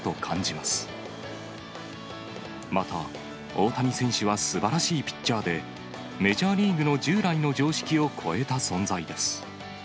また、大谷選手はすばらしいピッチャーで、メジャーリーグの従来の常識を超えた存在です。